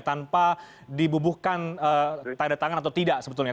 tanpa dibubuhkan tanda tangan atau tidak sebetulnya